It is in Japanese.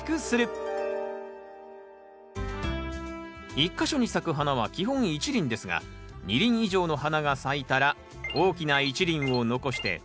１か所に咲く花は基本１輪ですが２輪以上の花が咲いたら大きな１輪を残して他は摘み取ります。